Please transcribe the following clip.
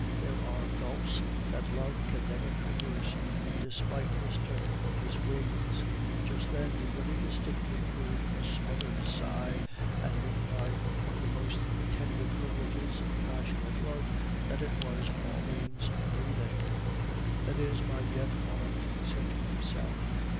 there are gulfs that love can never traverse, despite the strength of his wings." Just then he very distinctly heard a smothered sigh, and knew by one of the most tender privileges of passionate love that it was Pauline's breathing. "That is my death warrant," he said to himself.